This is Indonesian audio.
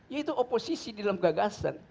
ya itu oposisi dalam gagasan